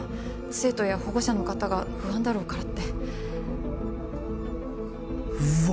生徒や保護者の方が不安だろうからってうわ